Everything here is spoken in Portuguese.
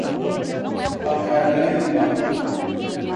Pacaraima